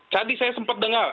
tadi saya sempat dengar